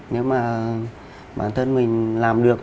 nếu mà bản thân mình làm được